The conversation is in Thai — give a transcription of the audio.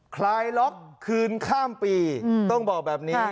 คลายล็อกคืนข้ามปีต้องบอกแบบนี้